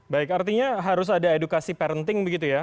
baik artinya harus ada edukasi parenting begitu ya